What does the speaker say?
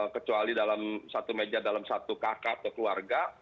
kecuali dalam satu meja dalam satu kakak atau keluarga